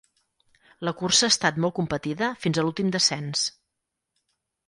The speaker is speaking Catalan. La cursa ha estat molt competida fins a l’últim descens.